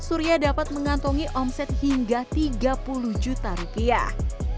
surya dapat mengantongi omset hingga tiga puluh juta rupiah